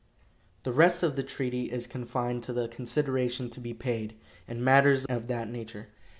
The rest of the treaty is confined to the consideration to be paid, and matters of that nature.